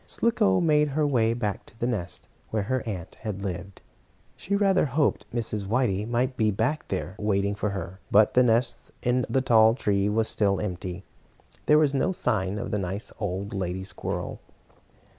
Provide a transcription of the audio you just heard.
Slicko made her way back to the nest where her aunt had lived. She rather hoped Mrs. Whitey might be back there, waiting for her, but the nest in the tall tree was still empty. There was no sign of the nice old lady squirrel.